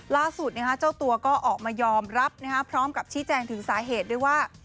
ล่าสุดเจ้าตัวก็ออกมายอมรับพร้อมกับชี้แจงถึงสาเหตุด้วยว่า